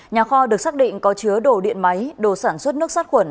nhà kho được xác định có chứa đồ điện máy đồ sản xuất nước sát khuẩn